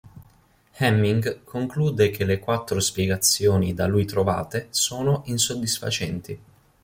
Hamming conclude che le quattro spiegazioni da lui trovate sono insoddisfacenti.